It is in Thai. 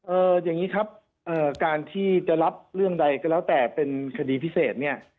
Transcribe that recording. อย่างนี้ครับเอ่อการที่จะรับเรื่องใดก็แล้วแต่เป็นคดีพิเศษเนี่ย